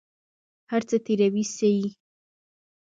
هر څه تېروى سي.